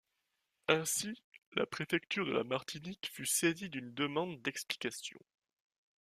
Ainsi, la Préfecture de la Martinique fut saisie d'une demande d'explications.